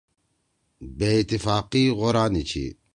بےاتفاقی غورا نہ چھی۔